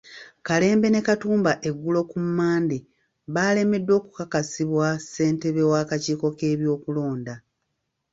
Kalembe ne Katumba eggulo ku Mmande baalemeddwa okukakasibwa ssentebe w'akakiiko k'ebyokulonda